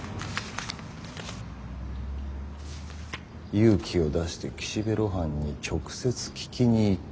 「勇気を出して岸辺露伴に直接聞きに行った。